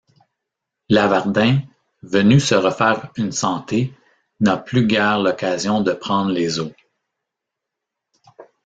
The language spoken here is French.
Lavardin, venu se refaire une santé, n'a plus guère l'occasion de prendre les eaux.